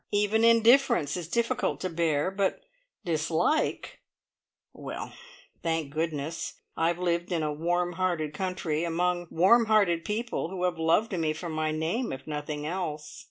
Even indifference is difficult to bear, but dislike Well, thank goodness, I have lived in a warm hearted country among warm hearted people who have loved me for my name if for nothing else.